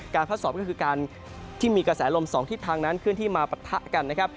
พัดสอบก็คือการที่มีกระแสลม๒ทิศทางนั้นเคลื่อนที่มาปะทะกันนะครับ